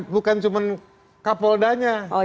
bukan cuma kapoldanya